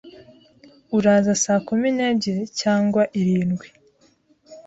Uraza saa kumi n'ebyiri cyangwa irindwi?